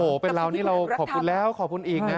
โอ้โหเป็นเรานี่เราขอบคุณแล้วขอบคุณอีกนะ